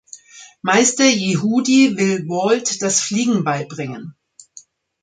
Meister Yehudi will Walt das Fliegen beibringen.